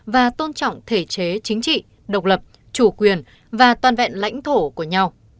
và tôn trọng thể chế chính trị độc lập chủ quyền và toàn vẹn lãnh thổ của nhau